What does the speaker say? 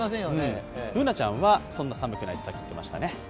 Ｂｏｏｎａちゃんはそんなに寒くないと言ってましたね。